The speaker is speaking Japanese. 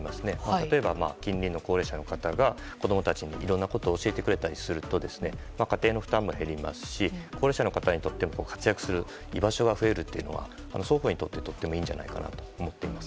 例えば、近隣の高齢者の方が子供たちにいろんなことを教えてくれたりすると家庭の負担も減りますし高齢者の方にとっても活躍する居場所が増えるというのは双方にとっていいんじゃないかなと思います。